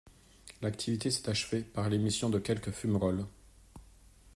L'activité s'est achevée par l'émission de quelques fumerolles.